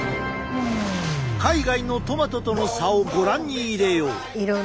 海外のトマトとの差をご覧に入れよう。